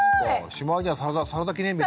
しまいにはサラダ記念日。